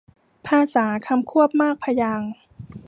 ภาษาคำควบมากพยางค์